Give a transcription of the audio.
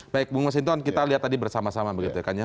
baik bung mas sinton kita lihat tadi bersama sama begitu ya